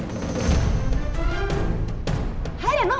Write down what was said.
sampai jumpa di video selanjutnya